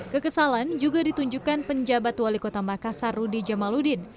kekesalan juga ditunjukkan penjabat wali kota makassar rudy jamaludin